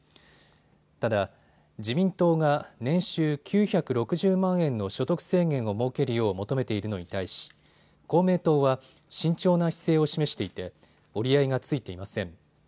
ただ、自民党が年収９６０万円の所得制限を設けるよう求めているのに対し公明党は慎重な姿勢を示していて折り合いがついていません。